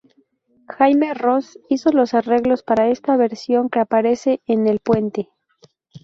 Jaime Roos hizo los arreglos para esta versión que aparece en "El puente".